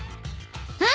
うん。